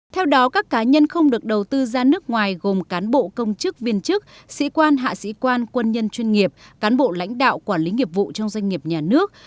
theo đó các cá nhân không được đầu tư ra nước ngoài gồm cán bộ công chức viên chức sĩ quan hạ sĩ quan quân nhân chuyên nghiệp cán bộ lãnh đạo quản lý nghiệp vụ trong doanh nghiệp nhà nước